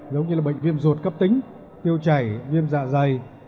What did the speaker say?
giống như là bệnh viêm ruột cấp tính tiêu chảy viêm dạ dày